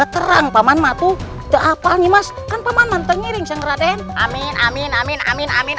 terang paman matuh ke apa nih mas kan paman mantengini sang raden amin amin amin amin amin